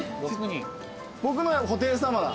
僕の布袋様だ。